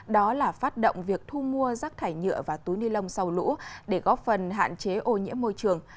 đó là phát động việc thu mua rác thải nhựa và túi ni lông sau lũ để góp phần hạn chế ô nhiễm môi trường